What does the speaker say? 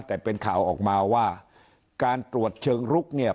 แต่เป็นข่าวออกมาว่าการตรวจเชิงลุกเนี่ย